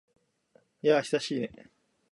やあ、久しいね。